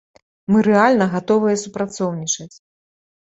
Мы рэальна гатовыя супрацоўнічаць.